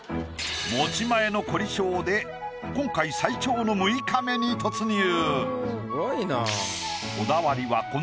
持ち前の凝り性で今回最長の６日目に突入。